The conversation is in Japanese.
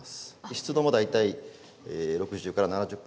湿度も大体６０から７０％で。